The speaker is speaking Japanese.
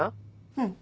うん。